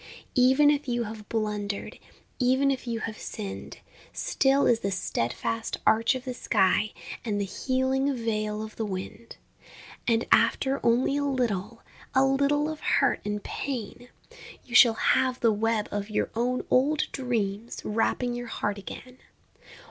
Even if you have blundered, Even if you have sinned, Still is the steadfast arch of the sky And the healing veil of the wind.... And after only a little, A little of hurt and pain, You shall have the web of your own old dreams Wrapping your heart again.